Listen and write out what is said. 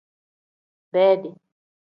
Bedi.